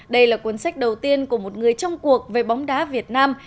đây là cuốn sách đầu tiên của một người trong cuộc về bóng đá việt nam